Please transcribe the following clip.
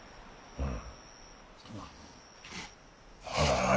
うん！